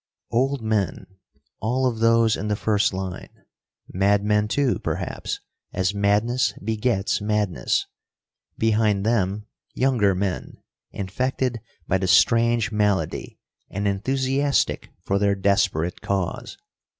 Old men, all of those in the first line! Madmen too, perhaps, as madness begets madness. Behind them, younger men, infected by the strange malady, and enthusiastic for their desperate cause.